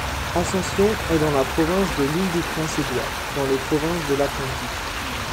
Ascension est dans la province de l'Île-du-Prince-Édouard, dans les provinces de l'Atlantique.